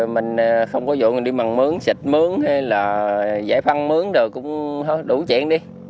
mình không có dụng thì mình đi mặn mướn xịt mướn hay là giải phăn mướn đồ cũng đủ chuyện đi